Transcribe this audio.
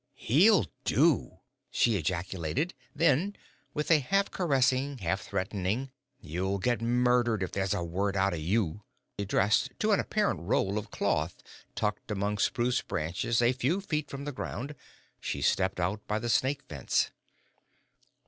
"He'll do!" she ejaculated; then, with a half caressing, half threatening, "You'll get murdered if there's a word out o' you," addressed to an apparent roll of cloth tucked among spruce branches a few feet from the ground, she stepped out by the snake fence.